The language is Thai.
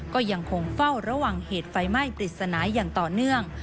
ก็ยังคงเฝ้าระวังเหตุไฟไหม้ปริศนาอย่างต่อเนื่อง